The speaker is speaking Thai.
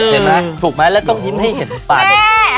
เห็นมั้ยถูกมั้ยแล้วต้องยิ้มให้เห็นปาก